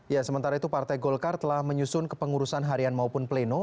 ya sementara itu partai golkar telah menyusun kepengurusan harian maupun pleno